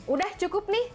udah cukup nih